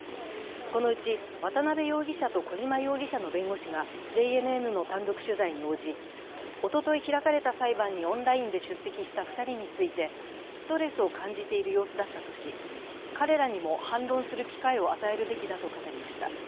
このうち渡辺容疑者と小島容疑者の弁護士がＪＮＮの単独取材に応じ、おととい開かれた裁判にオンラインで出席した２人についてストレスを感じている様子だったとし、彼らにも反論する機会を与えるべきだと語りました。